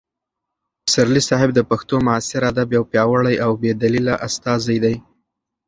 پسرلي صاحب د پښتو معاصر ادب یو پیاوړی او بې بدیله استازی دی.